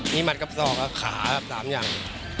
มีหมัดกับสอกขาครับสามอย่าง